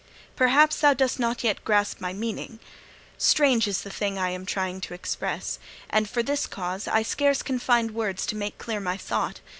Perhaps thou dost not yet grasp my meaning. Strange is the thing I am trying to express, and for this cause I can scarce find words to make clear my thought.